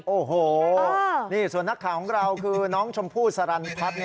โอ้โหนี่ส่วนนักข่าวของเราคือน้องชมพู่สรรพัฒน์